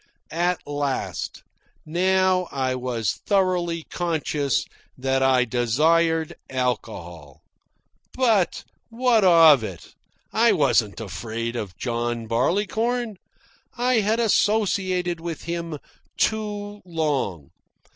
At last, now, I was thoroughly conscious that I desired alcohol. But what of it? I wasn't afraid of John Barleycorn. I had associated with him too long.